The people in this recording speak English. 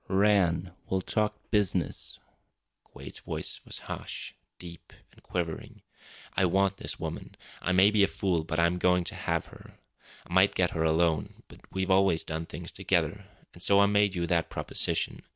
"Rann, we'll talk business!" Quade's voice was harsh, deep, and quivering. "I want this woman. I may be a fool, but I'm going to have her. I might get her alone, but we've always done things together an' so I made you that proposition.